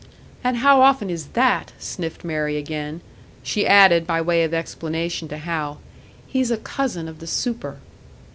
"And how often is that?" sniffed Mary again. She added, by way of explanation to Hal, "He's a cousin of the super."